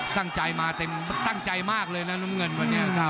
ตั้งใจมาเต็มตั้งใจมากเลยนะน้ำเงินวันนี้